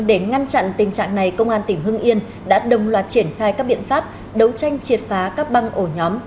để ngăn chặn tình trạng này công an tỉnh hưng yên đã đồng loạt triển khai các biện pháp đấu tranh triệt phá các băng ổ nhóm